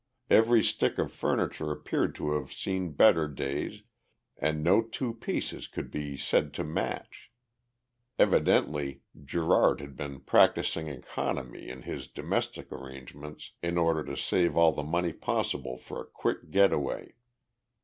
Every stick of furniture appeared to have seen better days and no two pieces could be said to match. Evidently Gerard had been practicing economy in his domestic arrangements in order to save all the money possible for a quick getaway.